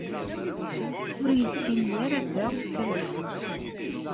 Ur iyi-d-ttini ara ta d taleffuɣt.